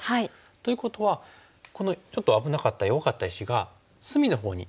ということはこのちょっと危なかった弱かった石が隅のほうに化けるといいますか。